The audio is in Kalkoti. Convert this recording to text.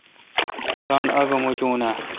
گانٹھ آگہ موچوناں؟